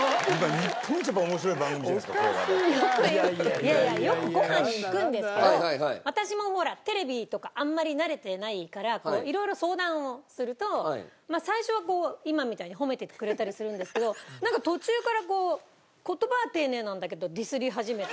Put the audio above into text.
いやいやよくご飯に行くんですけど私もほらテレビとかあんまり慣れてないから色々相談をすると最初はこう今みたいに褒めてくれたりするんですけどなんか途中からこう言葉は丁寧なんだけどディスり始めて。